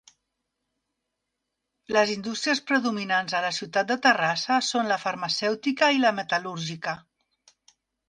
Les indústries predominants a la ciutat de Terrassa són la Farmacèutica i la Metal·lúrgica.